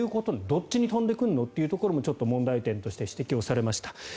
どっちに飛んでくるのというのも問題点として指摘されました。